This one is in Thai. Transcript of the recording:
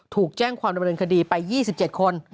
ถูกแจ้งความดำเนินคดีไป๒๗คน